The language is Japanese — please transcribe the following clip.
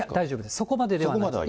そこまでではない。